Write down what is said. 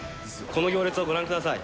この行列をご覧ください。